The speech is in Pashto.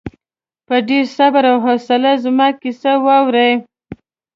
په ډېر صبر او حوصلې زما کیسه واورې.